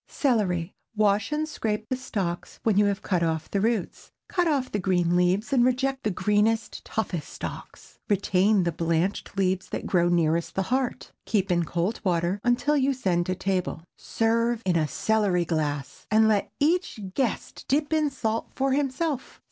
CELERY. Wash and scrape the stalks when you have cut off the roots. Cut off the green leaves and reject the greenest, toughest stalks. Retain the blanched leaves that grow nearest the heart. Keep in cold water until you send to table. Serve in a celery glass, and let each guest dip in salt for himself.